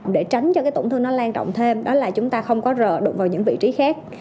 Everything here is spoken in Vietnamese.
để tránh cho cái tổn thương nó lan rộng thêm đó là chúng ta không có rờ đụng vào những vị trí khác